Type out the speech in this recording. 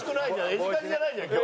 エジカジじゃないじゃん今日。